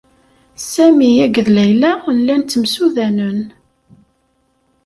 Sami akked Layla llan ttemsudanen.